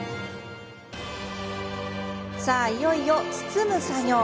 さあ、いよいよ包む作業。